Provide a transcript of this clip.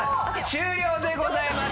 終了でございます。